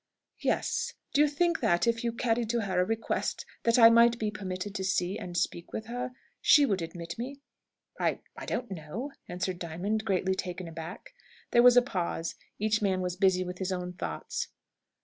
"Yes. Do you think that, if you carried to her a request that I might be permitted to see and speak with her, she would admit me?" "I I don't know," answered Diamond, greatly taken aback. There was a pause. Each man was busy with his own thoughts.